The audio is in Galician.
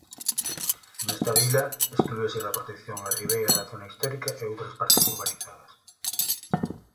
Nesta vila exclúese da protección a ribeira da zona histórica e outras partes urbanizadas.